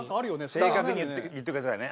正確に言ってくださいね。